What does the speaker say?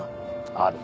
ある。